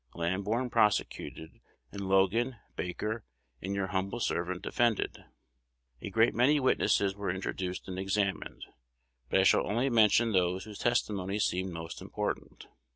Lamborn prosecuted, and Logan, Baker, and your humble servant defended. A great many witnesses were introduced and examined, but I shall only mention those whose testimony seemed most important.